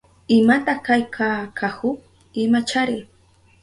¿Imata kayka kahu? Imachari.